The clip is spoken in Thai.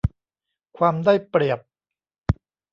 ความได้เปรียบ